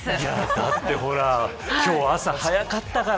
だってほら今日、朝早かったから。